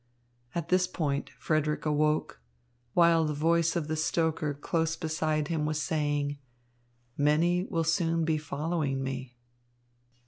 At this point Frederick awoke, while the voice of the stoker close beside him was saying: "Many will soon be following me."